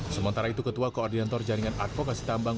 sementara itu ketua koordinator jaringan advokasi tambang